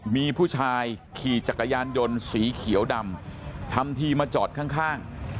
มีผู้ชายขี่จักรยานยนต์สีเขียวดำทำทีมาจอดข้าง